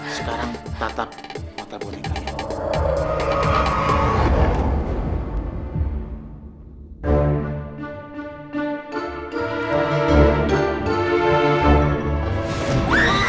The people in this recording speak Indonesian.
sekarang tatap mata bonekanya